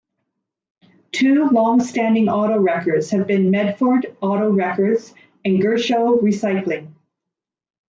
Two long-standing auto wreckers have been Medford Auto Wreckers and Gershow Recycling.